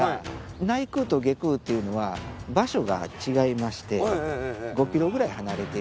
内宮と外宮というのは場所が違いまして５ｋｍぐらい離れている。